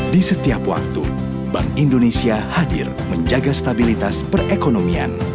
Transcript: di setiap waktu bank indonesia hadir menjaga stabilitas perekonomian